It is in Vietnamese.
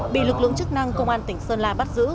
bị lực lượng chức năng công an tỉnh sơn la bắt giữ